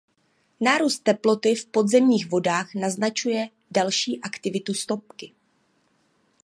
Nárůst teploty v podzemních vodách naznačuje další aktivitu sopky.